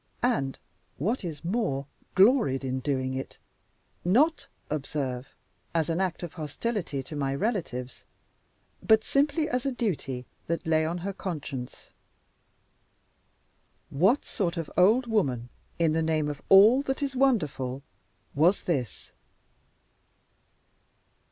And, what is more, gloried in doing it not, observe, as an act of hostility to my relatives, but simply as a duty that lay on her conscience. What sort of old woman, in the name of all that is wonderful, was this?